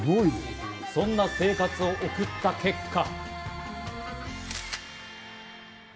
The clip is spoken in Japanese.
そんな生活を送った結果。